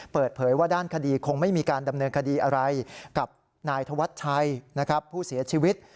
เปิดเผยว่าด้านคดีคงไม่มีการดำเนินคดีอะไรกับนายธวัชชัยผู้เสียชีวิต